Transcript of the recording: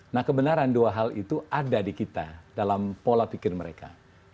nah kebenaran dua hal itu ada di kita dalam pola pikir mereka